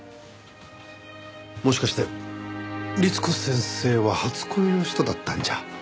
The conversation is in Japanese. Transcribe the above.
もしかして律子先生は初恋の人だったんじゃ？